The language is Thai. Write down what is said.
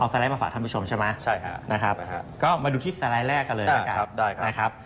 เอาสไลด์มาฝากทั้งผู้ชมใช่ไหมครับแล้วดูที่สไลด์แรกกันเลยครับ